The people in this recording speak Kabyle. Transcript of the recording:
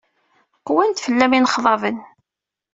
Qwan-d fell-am yinexḍaben.